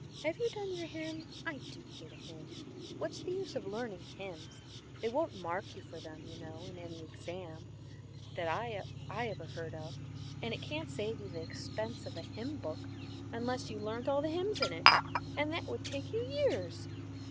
Have you done your hymn? I do hate a hymn. What's the use of learning hymns? They won't mark you for them, you know, in any exam. I ever heard of, and it can't save you the expense of a hymnbook unless you learnt all the hymns in it, and that would take you years.